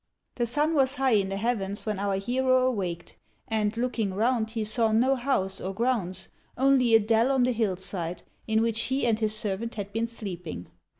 The sun was high in the heavens when our hero awaked, and, looking round, he saw no house or grounds, only a dell on the hill side, in which he and his servant had been sleeping.